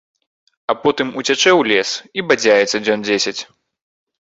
А потым уцячэ ў лес і бадзяецца дзён дзесяць.